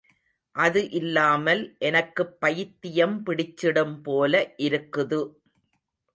அது இல்லாமல் எனக்குப்பைத்தியம் பிடிச்சிடும் போல இருக்குது.